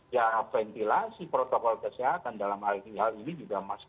ya ventilasi protokol kesehatan dalam hal ini juga masih